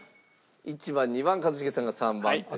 １番２番一茂さんが３番という。